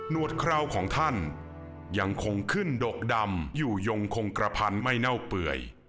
วดคราวของท่านยังคงขึ้นดกดำอยู่ยงคงกระพันไม่เน่าเปื่อย